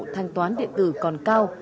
thanh toán điện tử còn cao